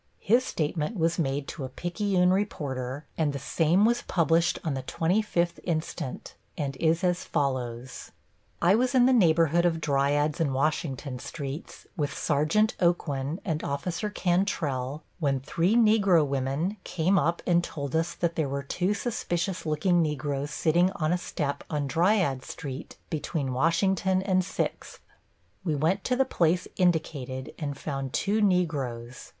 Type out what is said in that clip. His statement was made to a Picayune reporter and the same was published on the twenty fifth inst., and is as follows: I was in the neighborhood of Dryades and Washington Streets, with Sergeant Aucoin and Officer Cantrell, when three Negro women came up and told us that there were two suspicious looking Negroes sitting on a step on Dryades Street, between Washington and Sixth. We went to the place indicated and found two Negroes.